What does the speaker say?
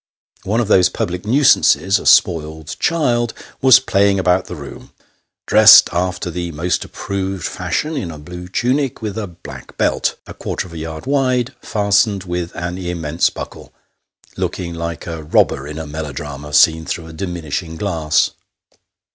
One of those public nuisances, a spoiled child, was playing about the room, dressed after the most approved fashion in a blue tunic with a black belt a quarter of a yard wide, fastened with an immense buckle looking like a robber in a melodrama, seen through a diminishing glass.